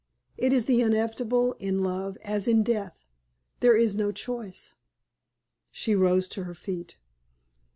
It is the inevitable in love as in death. There is no choice." She rose to her feet.